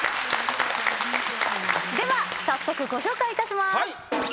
では早速ご紹介いたします。